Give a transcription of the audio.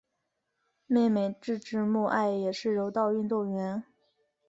妹妹志志目爱也是柔道运动员。